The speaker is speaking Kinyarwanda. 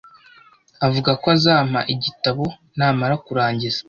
Avuga ko azampa igitabo namara kurangiza.